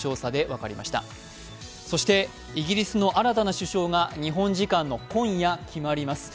そしてそしてイギリスの新たな首相が日本時間の今夜、決まります。